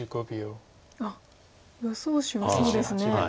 あっ予想手はそうですね。